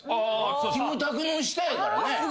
キムタクの下やからね。